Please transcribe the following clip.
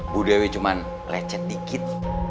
bu dewi cuman lecet dikit